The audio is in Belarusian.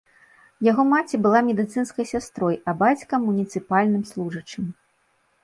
Яго маці была медыцынскай сястрой, а бацька муніцыпальным служачым.